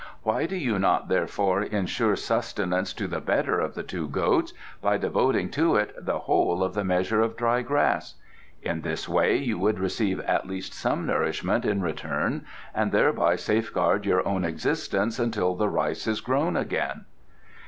"Why do you not therefore ensure sustenance to the better of the two goats by devoting to it the whole of the measure of dry grass? In this way you would receive at least some nourishment in return and thereby safeguard your own existence until the rice is grown again."